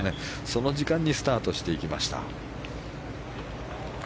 その時間にスタートしていきました。